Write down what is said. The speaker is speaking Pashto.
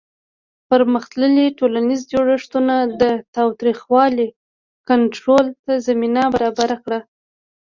پرمختللي ټولنیز جوړښتونه د تاوتریخوالي کنټرول ته زمینه برابره کړه.